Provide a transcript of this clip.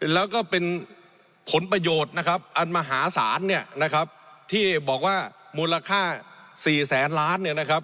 แล้วก็เป็นผลประโยชน์อันมหาศาสตร์ที่บอกว่ามูลค่า๔แสนล้าน